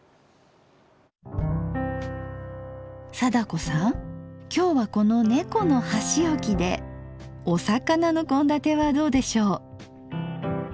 貞子さん今日はこの猫の箸置きでお魚の献立はどうでしょう？